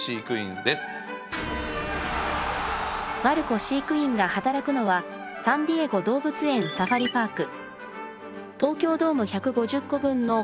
マルコ飼育員が働くのはサンディエゴ動物園サファリパーク。